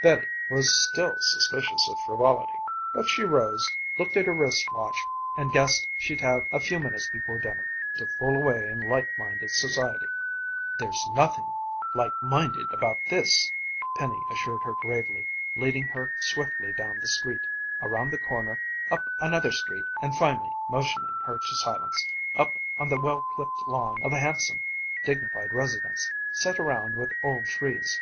Betty was still suspicious of frivolity, but she rose, looked at her wrist watch and guessed she'd have a few minutes before dinner, to fool away in light minded society. "There's nothing light minded about this!" Penny assured her gravely, leading her swiftly down the street, around the corner, up another street and finally, motioning her to silence, up on the well clipped lawn of a handsome, dignified residence, set around with old trees.